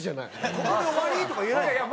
「ここで終わり？」とか言えないんですか？